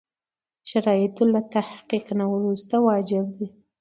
د شرایطو له تحقق نه وروسته واجب ده.